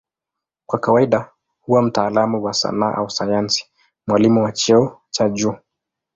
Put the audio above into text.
Kwa kawaida huwa mtaalamu wa sanaa au sayansi, mwalimu wa cheo cha juu.